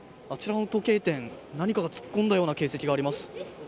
あちらの時計店何かが突っ込んだような形跡があります。